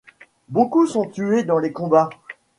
Beaucoup sont tués dans les combats.